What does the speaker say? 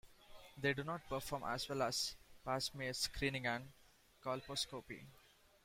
They do not perform as well as Pap smear screening and colposcopy.